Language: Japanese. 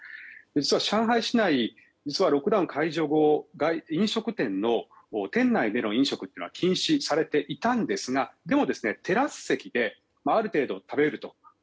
実は上海市内ロックダウン解除後飲食店の店内での飲食は禁止されていたんですがテラス席である程度食べられると。